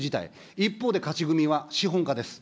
一方で勝ち組は資本家です。